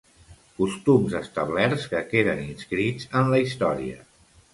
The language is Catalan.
Costums establerts que queden inscrits en la història.